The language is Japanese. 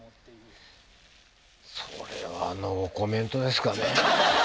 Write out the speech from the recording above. それはノーコメントですかね。